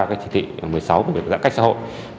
cái chỉ thị một mươi sáu về giãn cách xã hội